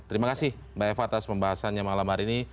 terima kasih mbak eva atas pembahasannya malam hari ini